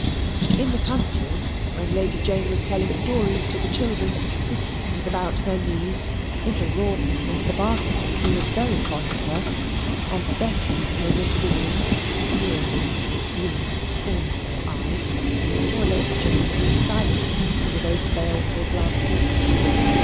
In the country, when Lady Jane was telling stories to the children, who clustered about her knees (little Rawdon into the bargain, who was very fond of her), and Becky came into the room, sneering with green scornful eyes, poor Lady Jane grew silent under those baleful glances.